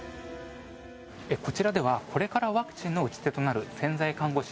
こちらではこれからワクチンの打ち手となる潜在看護師